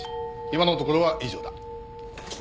今のところは以上だ。